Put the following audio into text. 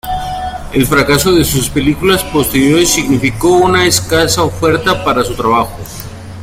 El fracaso de sus películas posteriores significó una escasa oferta para su trabajo.